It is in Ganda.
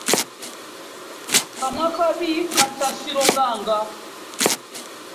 Kamwa kabi kata siroganga .